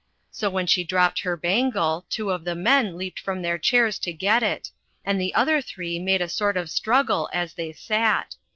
So when she dropped her bangle two of the men leaped from their chairs to get it, and the other three made a sort of struggle as they sat.